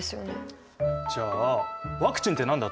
じゃあワクチンって何だと思う？